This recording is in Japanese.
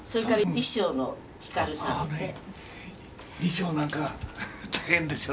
衣装なんか大変でしょう。